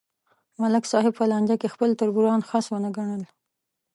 ملک صاحب په لانجه کې خپل تربوران خس ونه گڼل